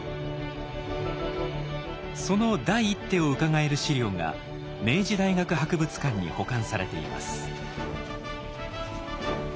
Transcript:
その第一手をうかがえる史料が明治大学博物館に保管されています。